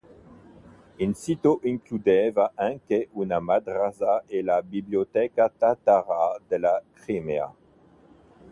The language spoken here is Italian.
Il sito includeva anche una madrasa e la biblioteca Tatara della Crimea.